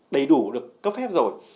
đầy đủ được cấp phép rồi